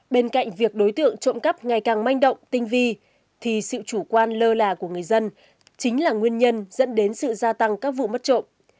bên cạnh việc đối tượng trộm cắp ngày càng manh động tinh vi thì sự chủ quan lơ là của người dân chính là nguyên nhân dẫn đến sự gia tăng các vụ mất trộm